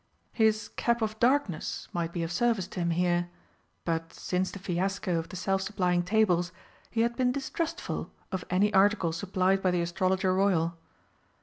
His cap of darkness might be of service to him here, but since the fiasco of the self supplying tables he had been distrustful of any article supplied by the Astrologer Royal.